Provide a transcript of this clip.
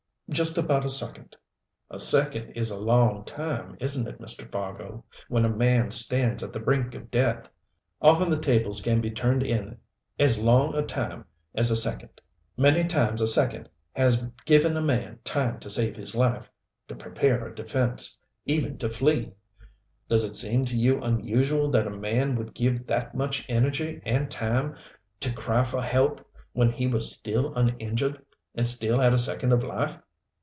Just about a second." "A second is a long time, isn't it, Mr. Fargo, when a man stands at the brink of death. Often the tables can be turned in as long a time as a second. Many times a second has given a man time to save his life to prepare a defense even to flee. Does it seem to you unusual that a man would give that much energy and time to cry for help when he was still uninjured, and still had a second of life."